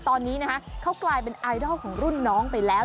ตอนนี้นะคะเขากลายเป็นไอดอลของรุ่นน้องไปแล้ว